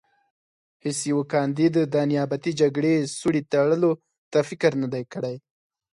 هېڅ یوه کاندید د نیابتي جګړې سوړې تړلو ته فکر نه دی کړی.